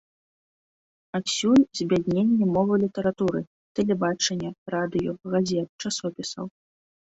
Адсюль збядненне мовы літаратуры, тэлебачання, радыё, газет, часопісаў.